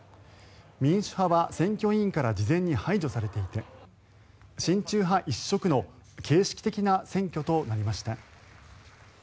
民主派は選挙委員から事前に排除されていて親中派一色の形式的な選挙となりました。